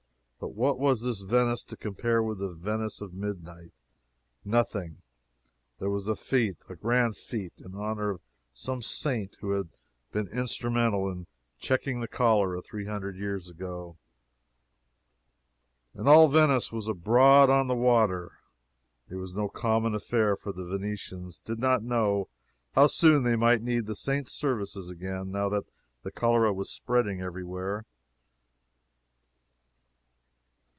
But what was this Venice to compare with the Venice of midnight? Nothing. There was a fete a grand fete in honor of some saint who had been instrumental in checking the cholera three hundred years ago, and all Venice was abroad on the water. It was no common affair, for the Venetians did not know how soon they might need the saint's services again, now that the cholera was spreading every where.